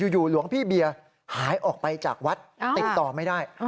หลวงพี่เบียร์หายออกไปจากวัดติดต่อไม่ได้